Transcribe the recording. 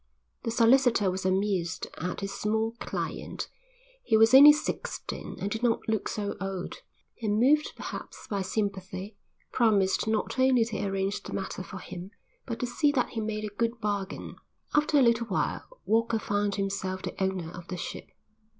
The solicitor was amused at his small client, he was only sixteen and did not look so old, and, moved perhaps by sympathy, promised not only to arrange the matter for him but to see that he made a good bargain. After a little while Walker found himself the owner of the ship.